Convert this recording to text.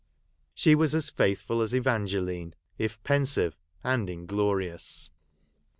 She was as faithful as Evangeline, if pensive, and inglorious.